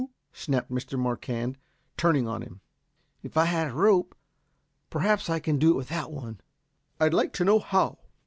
snapped Mr. Marquand, turning on him. "If I had a rope. Perhaps I can do it without one." "I'd like to know how?"